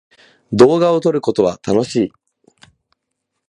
動画を撮ることは楽しい。